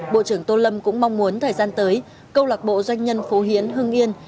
bộ trưởng tô lâm cũng mong muốn thời gian tới công lọc bộ doanh nhân phú hiến hương yên